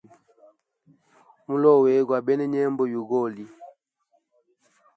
Mulowe gwa bena nyembo yugoli.